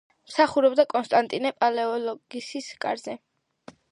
მსახურობდა კონსტანტინე პალეოლოგოსის კარზე.